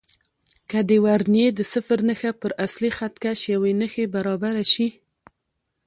که د ورنیې د صفر نښه پر اصلي خط کش یوې نښې برابره شي.